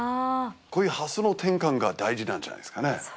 こういう発想の転換が大事なんじゃないですかね